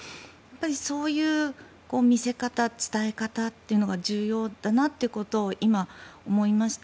そういう見せ方伝え方というのが重要だなというのを今、思いました。